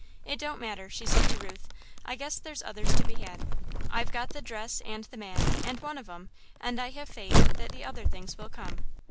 "It don't matter," she said to Ruth, "I guess there's others to be had. I've got the dress and the man and one of 'em and I have faith that the other things will come."